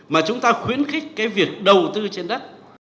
mà chúng ta khuyến khích cái việc đầu tư trên đất